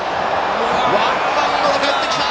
ワンバウンドでかえってきた！